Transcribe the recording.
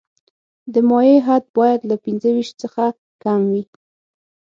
د مایع حد باید له پنځه ویشت څخه کم وي